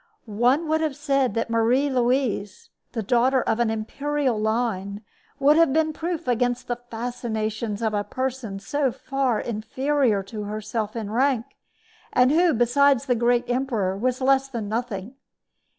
One would have said that Marie Louise, the daughter of an imperial line, would have been proof against the fascinations of a person so far inferior to herself in rank, and who, beside the great emperor, was less than nothing.